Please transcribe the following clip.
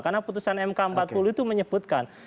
karena putusan mk empat puluh itu menyebutkan